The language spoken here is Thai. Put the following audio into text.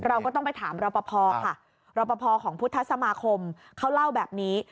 เราก็ต้องไปถามรอปภค่ะรอปภของพุทธสมาคมเขาเล่าแบบนี้